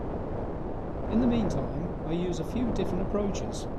In the meantime, I use a few different approaches.